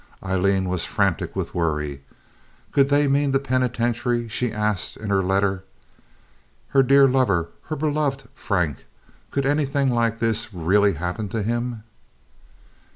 Aileen was frantic with worry. Could they mean the penitentiary, she asked in her letter? Her dear lover! Her beloved Frank! Could anything like this really happen to him?